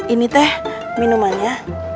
ini teh minumannya